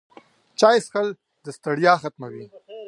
چای څښل د ستړیا ختموي